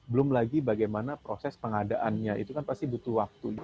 belum lagi bagaimana proses pengadaannya itu kan pasti butuh waktu